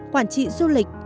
quản trị du lịch